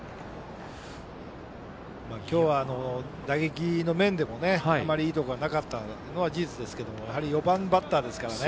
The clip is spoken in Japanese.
今日は打撃の面でもあまりいいところがなかったのは事実ですけどもやはり４番バッターですからね。